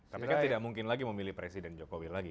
tapi kan tidak mungkin lagi memilih presiden jokowi lagi